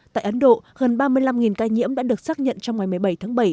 tại ấn độ gần ba mươi năm ca nhiễm đã được xác nhận trong ngày một mươi bảy tháng bảy